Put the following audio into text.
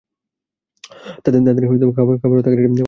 তাদের খাবার ও থাকার একটি ভাল জায়গার ব্যবস্থা করবেন।